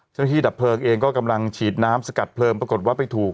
ที่ดับเพลิงเองก็กำลังฉีดน้ำสกัดเพลิงปรากฏว่าไปถูก